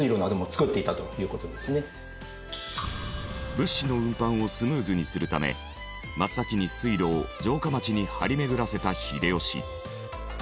物資の運搬をスムーズにするため真っ先に水路を城下町に張り巡らせた秀吉。